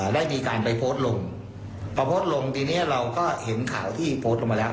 ได้มีการไปโพสต์ลงพอโพสต์ลงทีนี้เราก็เห็นข่าวที่โพสต์ลงมาแล้ว